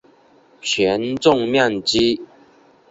全镇面积。